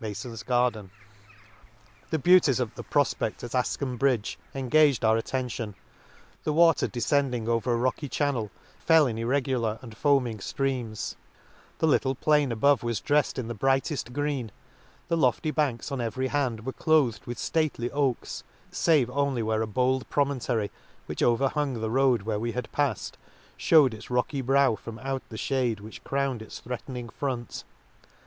— The beauties of the profpecfl at Afkam * Mafon's Garden. 62 ^ii Excursion ft Afkam Bridge engaged our attention — the water defcending over a rockey chan nel, fell in irregular and foaming ftreams ;— the little plain above was drefled in the brighteft green ; the lofty banks on every hand were cloathed with flately oaks, fave only where a bold promontary, which overhung the road where we had pafTed, Ihewed its rocky brow from out the fhade which crowned its threatning front.